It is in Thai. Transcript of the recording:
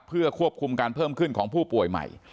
เพื่อควบคุมการเพิ่มขึ้นของผู้ป่วยใหม่